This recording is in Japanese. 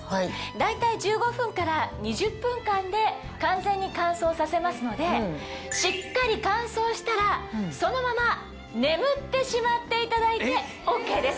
大体１５分から２０分間で完全に乾燥させますのでしっかり乾燥したらそのまま眠ってしまっていただいてＯＫです。